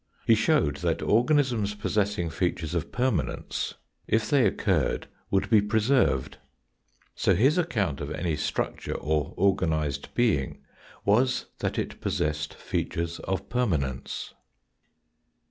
He showed that organisms possessing features of permanence, if they occurred would be preserved. So his account of any structure or organised being was that it possessed features of permanence.